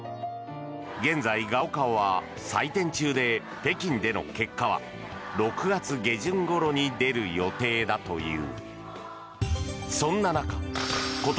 現在、ガオカオは採点中で北京での結果は６月下旬ごろに出る予定だという。